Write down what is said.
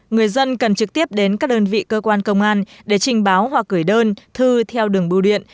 người dân cần trực tiếp đến các đơn vị cơ quan công an để trình báo hoặc gửi đơn thư theo đường bưu điện